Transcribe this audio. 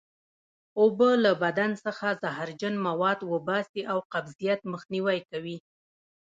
اوبه له بدن څخه زهرجن مواد وباسي او قبضیت مخنیوی کوي